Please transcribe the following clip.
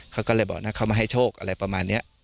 เขาก็เลยบอกนะเขามาให้โชคอะไรประมาณนี้